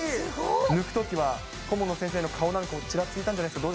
抜くときは、顧問の先生の顔なんかがちらついたんじゃないですか？